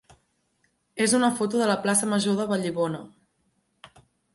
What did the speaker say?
és una foto de la plaça major de Vallibona.